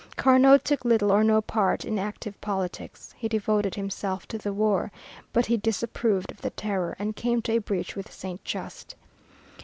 Carnot took little or no part in active politics. He devoted himself to the war, but he disapproved of the Terror and came to a breach with Saint Just.